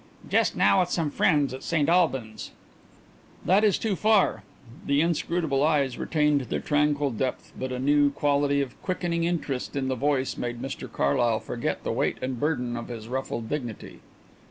"Just now with some friends at St Albans." "That is too far." The inscrutable eyes retained their tranquil depth but a new quality of quickening interest in the voice made Mr Carlyle forget the weight and burden of his ruffled dignity.